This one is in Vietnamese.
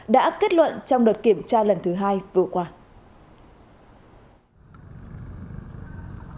đã kết luận trong đợt kiểm tra lần thứ hai vừa qua